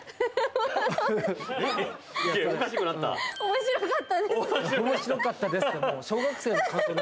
面白かったです。